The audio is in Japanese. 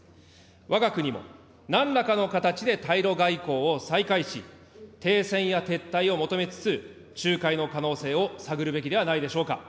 わが国も、なんらかの形で対ロ外交を再開し、停戦や撤退を求めつつ、仲介の可能性を探るべきではないでしょうか。